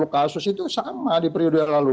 kasus itu sama di periode lalu